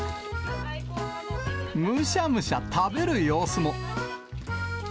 むしゃむしゃ食べる様子も。